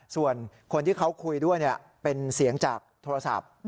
ส่วนคนที่เขาคุยด้วยเป็นเสียงจากโทรศัพท์